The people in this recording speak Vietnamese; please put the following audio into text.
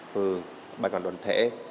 phường bàn toàn đoàn thể